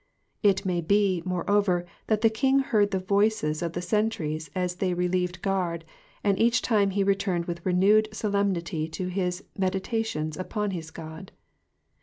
It may be, moreover, that the king heard the voices of the sentries as they relieved guard, and each time he returned with renewed solemnity to his meditations upon his God.